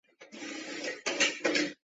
欧亚萍蓬草是睡莲科萍蓬草属的植物。